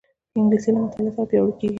انګلیسي له مطالعې سره پیاوړې کېږي